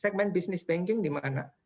segmen business banking di mana